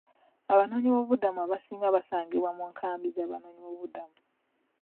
Abanoonyiboobubudamu abasinga basangibwa mu nkambi z'abanoonyiboobubudamu.